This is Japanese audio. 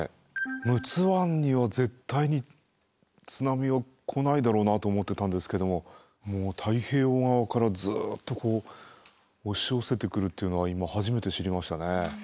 陸奥湾には絶対に津波は来ないだろうなと思ってたんですけどももう太平洋側からずっとこう押し寄せてくるっていうのは今初めて知りましたね。